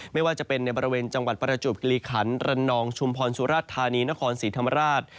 ไม่ว่าจะเป็นในบริเวณจังหวัดประจวบกิริขันระนองชุมพรสุราชธานีนครศรีธรรมราช